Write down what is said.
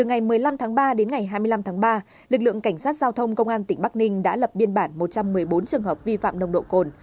từ ngày một mươi năm tháng ba đến ngày hai mươi năm tháng ba lực lượng cảnh sát giao thông công an tỉnh bắc ninh đã lập biên bản một trăm một mươi bốn trường hợp vi phạm nồng độ cồn